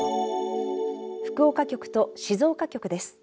福岡局と静岡局です。